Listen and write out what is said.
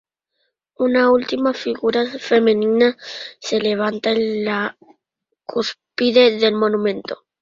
Una última figura femenina se levanta en la cúspide del monumento.